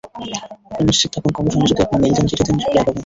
আপনি নিশ্চিত থাকুন কমিশনে যদি আপনি মেইল দেন, চিঠি দেন, রিপ্লাই পাবেন।